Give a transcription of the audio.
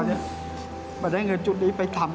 ได้เงินจุดนี้ไปทำ